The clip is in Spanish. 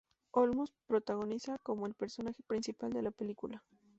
Olmos protagoniza como el personaje principal de la película.